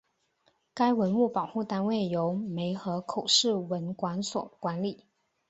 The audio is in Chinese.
该文物保护单位由梅河口市文管所管理。